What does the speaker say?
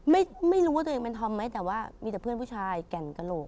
ไม่รู้ว่าตัวเองเป็นธอมไหมแต่ว่ามีแต่เพื่อนผู้ชายแก่นกระโหลก